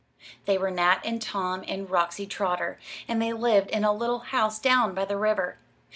They were Nat and Tom and Roxy Trotter, and they lived in a little house down by the river.